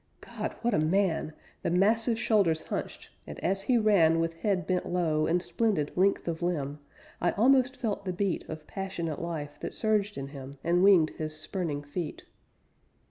God! What a man! The massive shoulders hunched, and as he ran With head bent low, and splendid length of limb, I almost felt the beat Of passionate life that surged in him And winged his spurning feet.